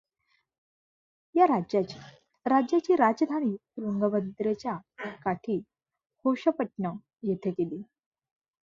या राज्याची राज्याची राजधानी तुंगभद्रेच्या काठी होशपट्टण येथे केली.